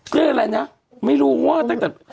อรืออะไรน่ะไม่รู้เหรอ